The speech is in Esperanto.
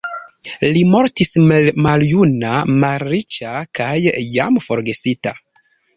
Li mortis maljuna, malriĉa kaj jam forgesita.